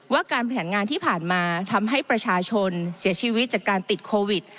การแผนงานที่ผ่านมาทำให้ประชาชนเสียชีวิตจากการติดโควิด